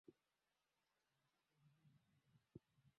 Mtoto huyu ni maarafu kwa kuwa anasoma sana.